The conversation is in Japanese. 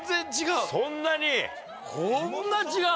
こんな違う！